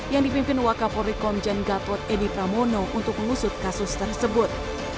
yang dipimpin wakapolri komjen gatot edi pramono untuk mengusut kasus tersebut